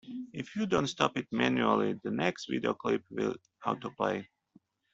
If you don't stop it manually, the next video clip will autoplay.